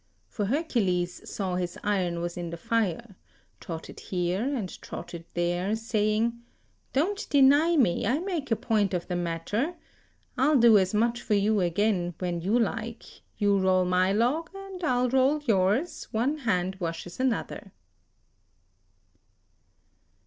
For Hercules saw his iron was in the fire, trotted here and trotted there, saying, "Don't deny me; I make a point of the matter. I'll do as much for you again, when you like; you roll my log, and I'll roll yours: one hand washes another."